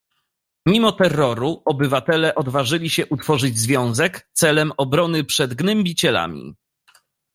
"Mimo terroru, obywatele odważyli się utworzyć związek, celem obrony przed gnębicielami."